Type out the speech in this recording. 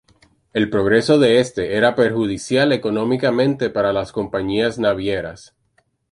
El progreso de este, era perjudicial económicamente para las compañías navieras.